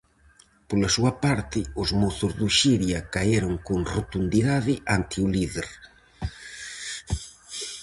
Pola súa parte, os mozos do Xiria caeron con rotundidade ante o líder.